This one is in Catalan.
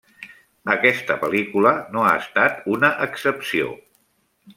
Aquesta pel·lícula no ha estat una excepció.